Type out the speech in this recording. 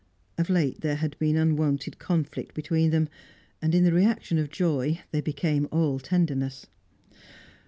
Of late there had been unwonted conflict between them, and in the reaction of joy they became all tenderness.